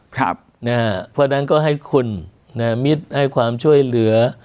เพราะฉะนั้นก็ให้คุณมิตรให้ความช่วยเหลือ